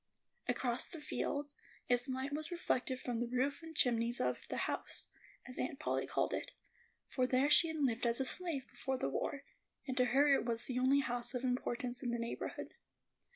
Across the fields, its light was reflected from the roof and chimneys of "The House," as Aunt Polly called it; for there she had lived as a slave before the war, and to her it was the only house of importance in the neighborhood.